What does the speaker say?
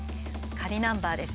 仮ナンバーです。